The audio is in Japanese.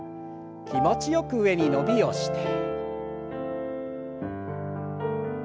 気持ちよく上に伸びをして。